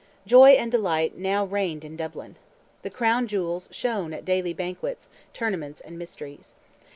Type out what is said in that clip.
"Joy and delight" now reigned in Dublin. The crown jewels shone at daily banquets, tournaments, and mysteries.